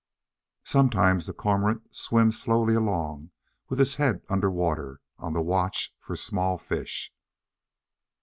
Sometimes the Cormorant swims slowly along with his head under water, on the watch for small fish.